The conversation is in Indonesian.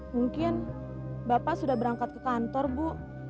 mungkin bapak sudah berangkat ke kantor bu